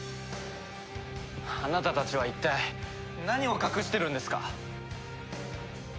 あなたたちは一体何を隠してるんですか？